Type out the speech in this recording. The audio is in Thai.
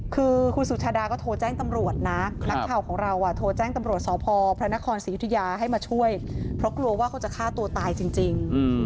คือคุณสุชาดาก็โทรแจ้งตำรวจนะนักข่าวของเราโทรแจ้งตำรวจสพพระนครศรียุธยาให้มาช่วยเพราะกลัวว่าเขาจะฆ่าตัวตายจริง